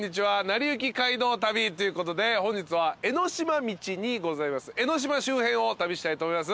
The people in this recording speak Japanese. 『なりゆき街道旅』ということで本日は江の島道にございます江の島周辺を旅したいと思います。